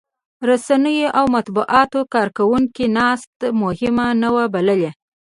رسنيو او د مطبوعاتو کارکوونکو ناسته مهمه نه وه بللې.